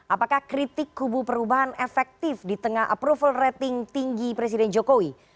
apakah kritik kubu perubahan efektif di tengah approval rating tinggi presiden jokowi